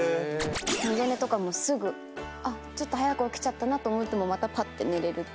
二度寝とかもすぐちょっと早く起きちゃったなと思ってもまたぱって寝れるっていうか。